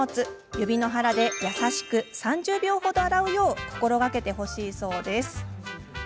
指の腹で優しく３０秒ほど洗うよう心がけてほしいそうです。